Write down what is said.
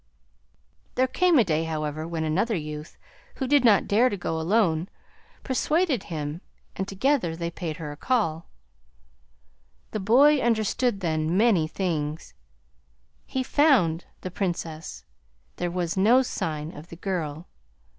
"There came a day, however, when another youth, who did not dare to go alone, persuaded him, and together they paid her a call. The boy understood, then, many things. He found the Princess; there was no sign of the girl.